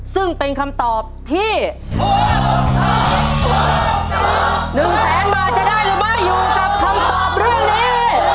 ซึ่งเป็นคำตอบที่๑แสนบาทจะได้หรือไม่อยู่กับคำตอบเรื่องนี้